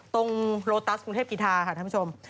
ตรงโลตัสกรุงเทพกีธาค่ะท่านผู้ชม